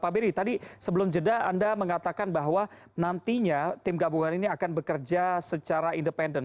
pak beri tadi sebelum jeda anda mengatakan bahwa nantinya tim gabungan ini akan bekerja secara independen